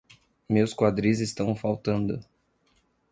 Meus quadris estão faltando.